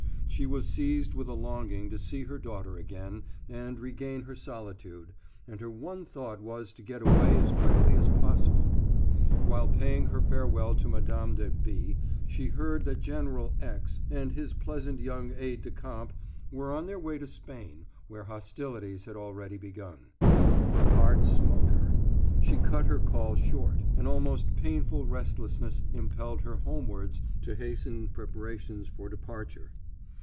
She was seized with a longing to see her daughter again, and regain her solitude, and her one thought was to get away as quickly as possible. While paying her farewell visit to Mme. de B. she heard that General X. and his pleasant young aide de camp were on their way to Spain, where hostilities had already begun. Her heart smote her. She cut her call short; an almost painful restlessness impelled her homewards to hasten the preparations for departure.